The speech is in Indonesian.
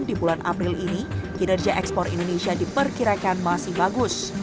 di bulan april ini kinerja ekspor indonesia diperkirakan masih bagus